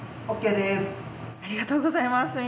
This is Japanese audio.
ありがとうございます。